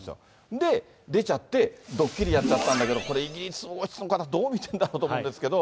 で、出ちゃって、ドッキリやっちゃったんだけど、これ、イギリス王室の方、どう見てるんだろうと思うんですけれども。